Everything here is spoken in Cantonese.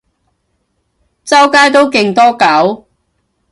周街都勁多狗